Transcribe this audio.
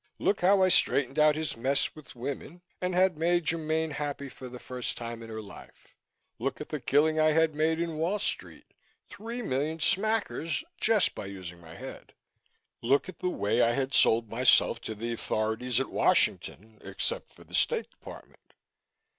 Look how I straightened out his mess with women and had made Germaine happy for the first time in her life. Look at the killing I had made in Wall Street, three million smackers just by using my head. Look at the way I had sold myself to the authorities at Washington, except for the State Department.